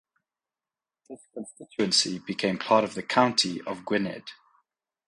This constituency became part of the county of Gwynedd.